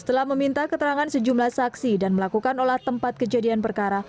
setelah meminta keterangan sejumlah saksi dan melakukan olah tempat kejadian perkara